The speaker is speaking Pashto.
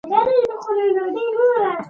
قاچوغه اوبه ور دننه کوي.